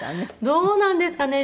どうなんですかね？